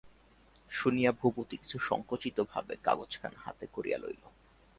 শুনিয়া ভূপতি কিছু সংকুচিতভাবে কাগজখানা হাতে করিয়া লইল।